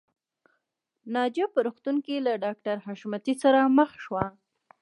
ناجیه په روغتون کې له ډاکټر حشمتي سره مخ شوه